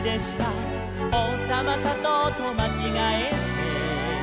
「おうさまさとうとまちがえて」